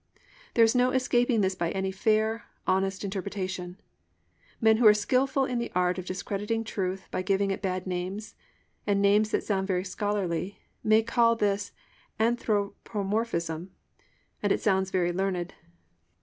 There is no escaping this by any fair, honest interpretation. Men who are skilful in the art of discrediting truth by giving it bad names, and names that sound very scholarly, may call this "anthropomorphism," and that sounds very learned.